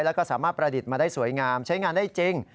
แล้วก็สามารถประดิษฐ์มาได้สวยงามใช้งานได้จริง